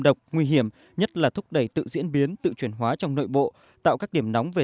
độc nguy hiểm nhất là thúc đẩy tự diễn biến tự chuyển hóa trong nội bộ tạo các điểm nóng về